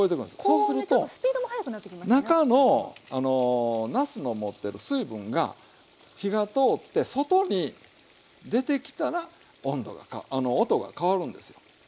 そうすると中のなすの持ってる水分が火が通って外に出てきたら音が変わるんですよ。